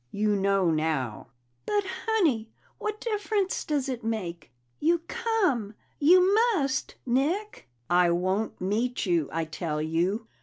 You know now." "But, Honey, what difference does it make? You come. You must, Nick!" "I won't meet you, I tell you!"